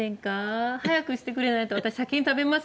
「早くしてくれないと私先に食べますよ」